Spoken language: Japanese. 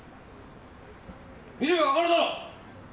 見ればわかるだろう！